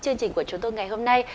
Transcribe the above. chương trình của chúng tôi ngày hôm nay